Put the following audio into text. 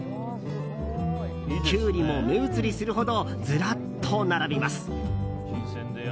キュウリも目移りするほどずらっと並びます。